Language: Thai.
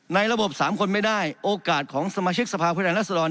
ในระบบ๓คนไม่ได้โอกาสของสมาชิกสภาพผู้แทนรัศดร